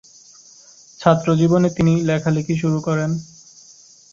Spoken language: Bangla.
ছাত্র জীবনে তিনি লেখালিখি শুরু করেন।